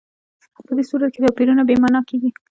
په دې صورت کې توپیرول بې معنا کېږي.